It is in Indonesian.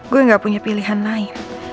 gue gak punya pilihan lain